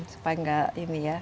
supaya enggak ini ya